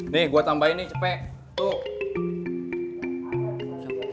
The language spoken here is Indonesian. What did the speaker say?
nih gue tambahin nih cepek